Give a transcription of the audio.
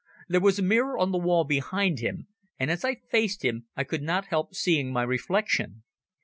There was a mirror on the wall behind him, and as I faced him I could not help seeing my reflection.